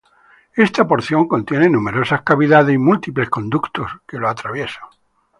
Esta porción contiene numerosas cavidades y múltiples conductos que lo atraviesan.